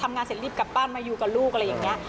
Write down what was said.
งานเสร็จรีบกลับบ้านมาอยู่กับลูกอะไรอย่างนี้